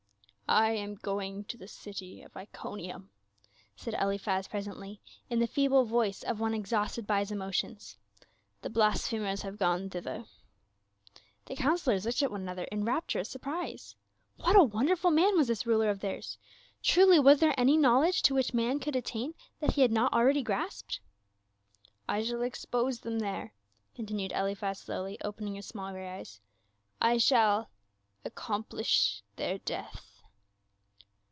" I am going to the city of Iconium," said Eliphaz presently, in the feeble voice of one exhausted by his emotions. "The blasphemers have gone thither." The councilors looked at one another in rapturous surprise. What a wonderful man was this ruler of theirs ; truly was there any knowledge to which men could attain that he had not already grasped. "I shall expose them there," continued Eliphaz slowly, opening his small grey eyes. " I shall — accomplish their death."